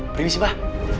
pergi sih mbah